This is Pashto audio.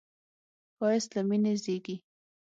ښایست له مینې زېږي